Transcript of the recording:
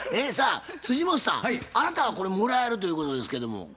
さあ本さんあなたはこれもらえるということですけども。